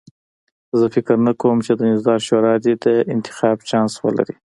زه فکر نه کوم چې د نظار شورا دې د انتخاب چانس ولري.